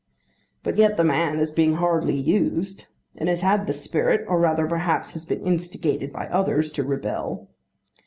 But yet the man is being hardly used, and has had the spirit, or rather perhaps has been instigated by others, to rebel.